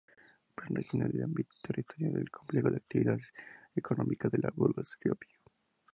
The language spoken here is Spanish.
Plan Regional de Ámbito Territorial del complejo de Actividades Económicas de Burgos-Riopico.